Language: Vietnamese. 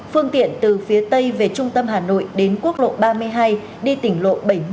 phương tiện từ phía tây về trung tâm hà nội đến quốc lộ ba mươi hai đi tỉnh lộ bảy mươi